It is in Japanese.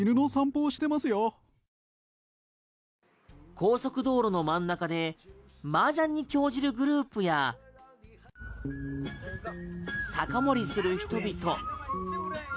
高速道路の真ん中でマージャンに興じるグループや酒盛りする人々。